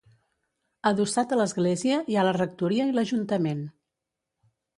Adossat a l'església hi ha la rectoria i l'Ajuntament.